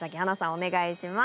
お願いします。